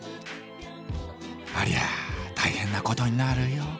「ありゃ大変なことになるよ」。